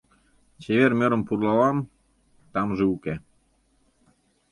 Чевер мӧрым пурлалам — тамже уке.